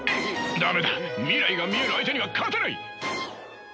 駄目だ未来が見える相手には勝てない！